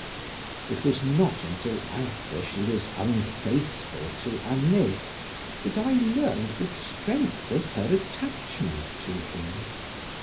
It was not until after she was unfaithful to Anet, that I learned the strength of her attachment to him.